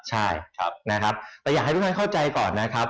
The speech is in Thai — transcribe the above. ใช่แต่อยากให้ทุกคนเข้าใจก่อนนะครับ